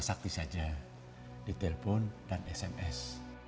sakti saja di telepon dan sms